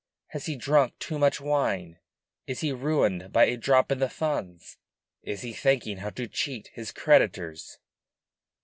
"Has he drunk too much wine? Is he ruined by a drop in the Funds? Is he thinking how to cheat his creditors?"